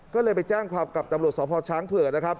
ก็เลยไปแจ้งความกับตำรวจสพช้างเผื่อนะครับ